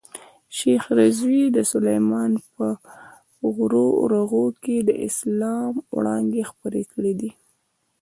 شېخ رضي د سلېمان په غرو رغو کښي د اسلام وړانګي خپرې کړي دي.